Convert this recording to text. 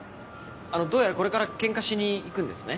あのどうやらこれからケンカしに行くんですね？